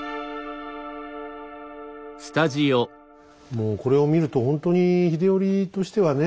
もうこれを見るとほんとに秀頼としてはね